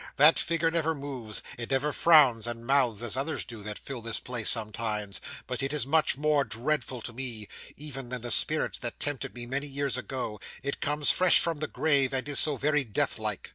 That figure never moves; it never frowns and mouths as others do, that fill this place sometimes; but it is much more dreadful to me, even than the spirits that tempted me many years ago it comes fresh from the grave; and is so very death like.